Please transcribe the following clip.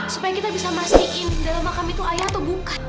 supaya kita bisa memastikan dalam makam itu ayah atau bungkak